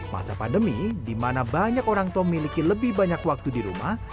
masa pandemi di mana banyak orang tua memiliki lebih banyak waktu di rumah